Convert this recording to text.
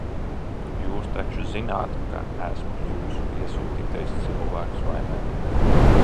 Jūs taču zināt, ka esmu jūsu iesūtītais cilvēks, vai ne?